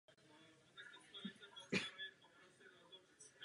Publikoval řadu spisů a článků na právnická témata.